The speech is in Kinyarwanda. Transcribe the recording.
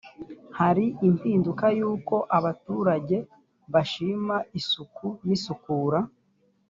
hari impinduka y uko abaturage bashima isuku n isukura